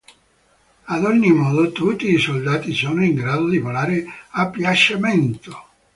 Ad ogni modo, tutti i soldati sono in grado di volare a piacimento.